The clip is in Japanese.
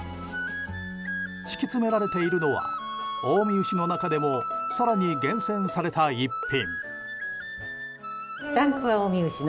敷き詰められているのは近江牛の中でも更に厳選された逸品。